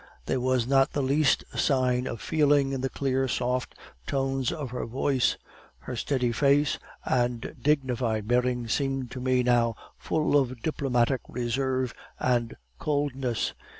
There was not the least sign of feeling in the clear soft tones of her voice. Her steady face and dignified bearing seemed to me now full of diplomatic reserve and coldness.